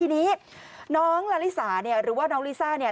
ทีนี้น้องลาลิสาเนี่ยหรือว่าน้องลิซ่าเนี่ย